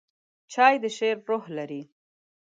چای د شعر روح لري.